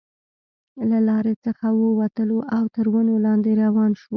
له لارې څخه وو وتلو او تر ونو لاندې روان شوو.